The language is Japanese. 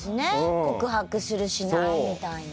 告白するしないみたいな。